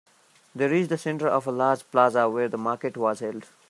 They reached the center of a large plaza where the market was held.